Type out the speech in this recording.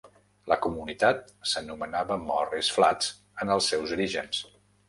La comunitat s'anomenava Morris Flats en els seus orígens.